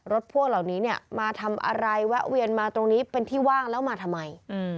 พวกเหล่านี้เนี่ยมาทำอะไรแวะเวียนมาตรงนี้เป็นที่ว่างแล้วมาทำไม